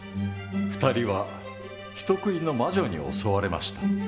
２人は人食いの魔女に襲われました。